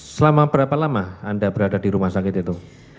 selama berapa lama anda berada di rumah sakit itu